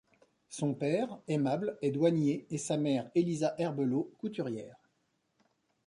Son père, Aimable, est douanier et sa mère, Eliza Herbelot, couturière.